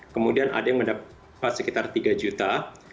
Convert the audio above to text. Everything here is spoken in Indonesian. kemudian ada yang mendapat sekitar tiga juta